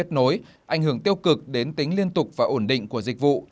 đối ảnh hưởng tiêu cực đến tính liên tục và ổn định của dịch vụ